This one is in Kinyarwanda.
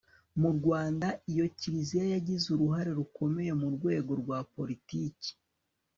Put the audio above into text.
mu rwanda, iyo kiliziya yagize uruhare rukomeye mu rwego rwa politiki